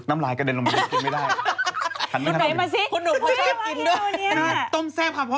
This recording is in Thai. มีอะไรอีกนะ